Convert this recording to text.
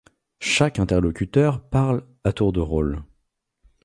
Chaque interlocuteur parle à tour de rôle.